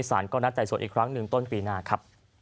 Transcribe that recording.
สารก็นัดใจส่วนอีกครั้งหนึ่งต้นปีหน้าครับ